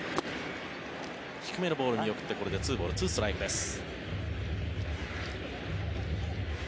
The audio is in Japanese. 低めのボール見送って、これで２ボール２ストライクです。